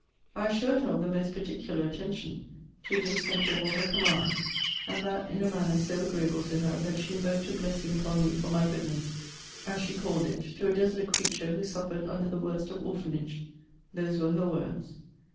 I assured her of the most particular attention to this and to all her commands; and that in a manner so agreeable to her, that she invoked a blessing upon me for my goodness, as she called it, to a desolate creature who suffered under the worst of orphanage; those were her words.